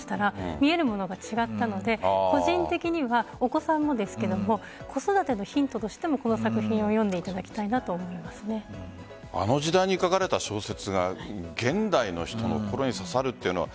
見えるものが違ったので個人的にはお子さんもですけども子育てのヒントとしてもこの作品をあの時代に書かれた小説が現代の人の心に刺さるというのは。